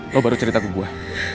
lo baru cerita ke buah